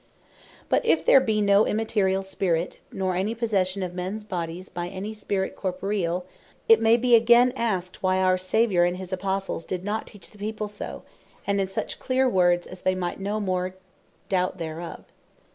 But if there be no Immateriall Spirit, nor any Possession of mens bodies by any Spirit Corporeall, it may again be asked, why our Saviour and his Apostles did not teach the People so; and in such cleer words, as they might no more doubt thereof.